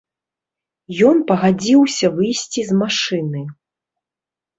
Ён пагадзіўся выйсці з машыны.